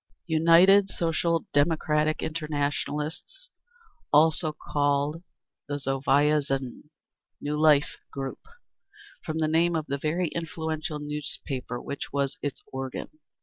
d. United Social Democrats Internationalists. Also called the Novaya Zhizn (New Life) group, from the name of the very influential newspaper which was its organ.